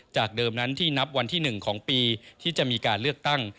เดิมนั้นที่นับวันที่๑ของปีที่จะมีการเลือกตั้ง